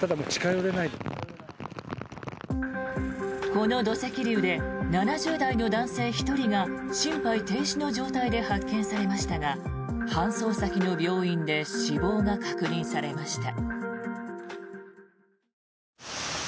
この土石流で７０代の男性１人が心肺停止の状態で発見されましたが搬送先の病院で死亡が確認されました。